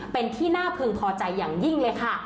เป็นที่น่าพึงพอใจอย่างยิ่งเลยค่ะ